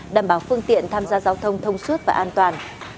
đảm bảo phương tiện tham gia giao thông thông suốt và an toàn